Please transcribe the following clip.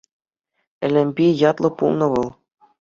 Элемпи ятлӑ пулнӑ вӑл.